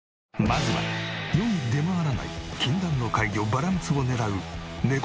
まずは世に出回らない禁断の怪魚バラムツを狙うね